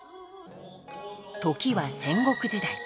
時は戦国時代。